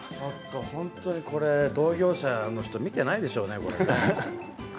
本当にこれ同業者の人見てないでしょうね。